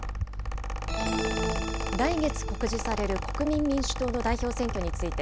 来月告示される国民民主党の代表選挙について、